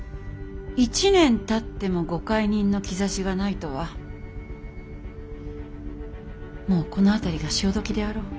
１年たってもご懐妊の兆しがないとはもうこの辺りが潮時であろう。